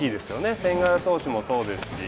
千賀投手もそうですし。